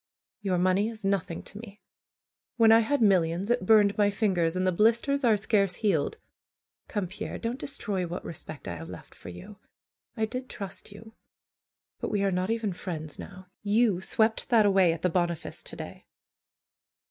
Your money is nothing to me. When I had millions it burned my fingers, and the blisters are scarce healed. Come, Pierre, don't destroy what respect I have left for you. I did trust you; but we are not even friends now. You swept that away at the Boniface to day."